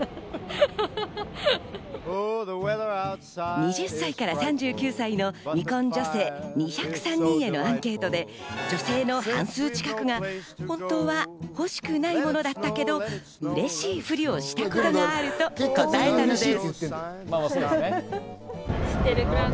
２０歳から３９歳の未婚女性２０３人へのアンケートで女性の半数近くが本当は欲しくないものだったけど、うれしいフリをしたことがあると答えたんです。